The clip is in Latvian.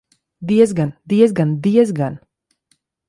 Diezgan, diezgan, diezgan!